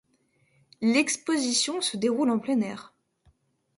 L'exposition se déroule en plein air.